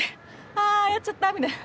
あやっちゃったみたいな。